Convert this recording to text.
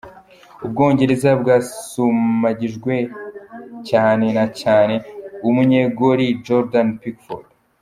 Ubwongereza bwasumagijwe cane, na cane cane umunyegoli Jordan Pickford.